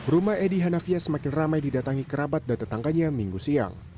rumah edi hanafia semakin ramai didatangi kerabat dan tetangganya minggu siang